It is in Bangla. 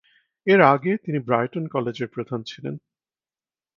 এর আগে তিনি ব্রাইটন কলেজের প্রধান ছিলেন।